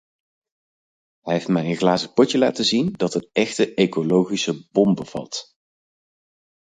Hij heeft mij een glazen potje laten zien dat een echte ecologische bom bevat.